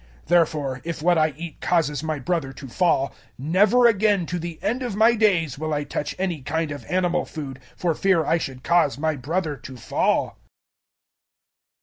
008:013 Therefore if what I eat causes my brother to fall, never again to the end of my days will I touch any kind of animal food, for fear I should cause my brother to fall.